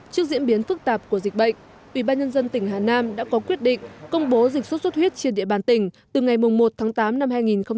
trước diễn biến phức tạp của dịch bệnh ủy ban nhân dân tỉnh hà nam đã có quyết định công bố dịch xuất xuất huyết trên địa bàn tỉnh từ ngày một tháng tám năm hai nghìn một mươi bảy